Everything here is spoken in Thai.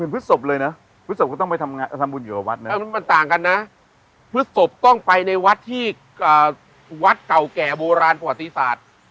เหมือนพุทธศพเลยนะ